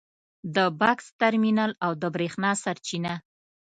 د بکس ترمینل او د برېښنا سرچینه